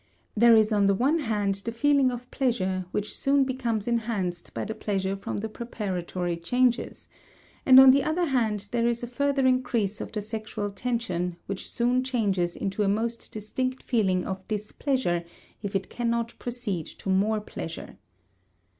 There is on the one hand the feeling of pleasure which soon becomes enhanced by the pleasure from the preparatory changes, and on the other hand there is a further increase of the sexual tension which soon changes into a most distinct feeling of displeasure if it cannot proceed to more pleasure.